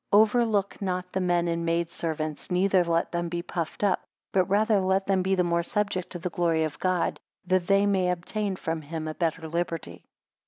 4 Overlook not the men and maid servants; neither let them be puffed up: but rather let them be the more subject to the glory of God, that they may obtain from him a better liberty.